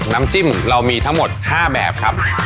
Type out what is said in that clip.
น้ำจิ้มเรามีทั้งหมด๕แบบครับ